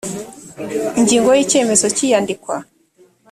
ingingo ya icyemezo cy iyandikwa